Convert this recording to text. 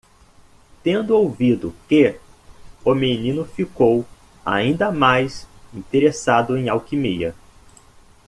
Tendo ouvido que? o menino ficou ainda mais interessado em alquimia.